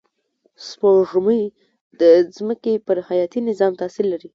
سپوږمۍ د ځمکې پر حیاتي نظام تأثیر لري